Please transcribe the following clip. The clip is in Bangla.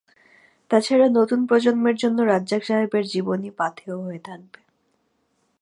তা ছাড়া নতুন প্রজন্মের জন্য রাজ্জাক সাহেবের জীবনী পাথেয় হয়ে থাকবে।